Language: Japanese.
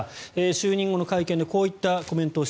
就任後の会見でこういったコメントを